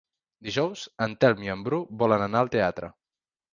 Dijous en Telm i en Bru volen anar al teatre.